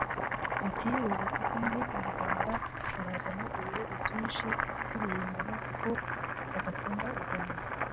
Ati “Ubu kuko ndi mu Rwanda barazana ibirego byinshi by’ibihimbano kuko badakunda u Rwanda